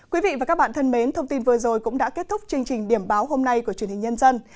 quý vị và các bạn thân mến thông tin vừa rồi cũng đã kết thúc chương trình điểm báo hôm nay của truyền hình nhân dân